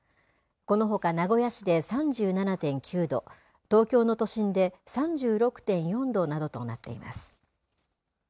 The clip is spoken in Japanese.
このほか、名古屋市で３７．９度、東京の都心で３６．４度などとなっています。